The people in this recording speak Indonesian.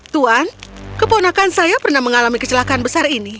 tuan keponakan saya pernah mengalami kecelakaan besar ini